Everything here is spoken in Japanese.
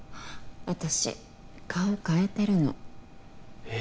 私顔変えてるのえ？